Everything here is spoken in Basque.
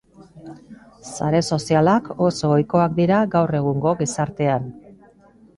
Sare sozialak oso ohikoak dira gaur egungo gizartean.